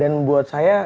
dan buat saya